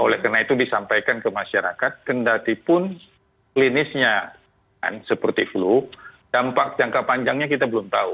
oleh karena itu disampaikan ke masyarakat kendatipun klinisnya seperti flu dampak jangka panjangnya kita belum tahu